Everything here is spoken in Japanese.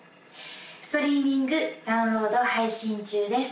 ストリーミングダウンロード配信中です